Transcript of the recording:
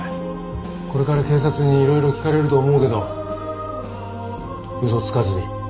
これから警察にいろいろ聞かれると思うけどうそつかずにちゃんと説明するんだぞ。